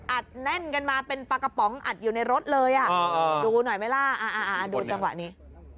แน่นกันมาเป็นปลากระป๋องอัดอยู่ในรถเลยอ่ะดูหน่อยไหมล่ะดูจังหวะนี้